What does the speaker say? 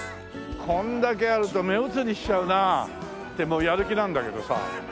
こんだけあると目移りしちゃうな。ってもうやる気なんだけどさ。